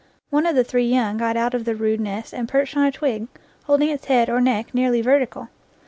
One of the three young got out of the rude nest and perched on a twig, holding its head or neck nearly vertical.